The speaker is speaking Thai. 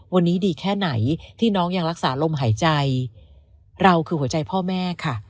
วันนี้ดีแค่ไหนที่น้องยังรักษาลมหายใจเราคือหัวใจพ่อแม่ค่ะ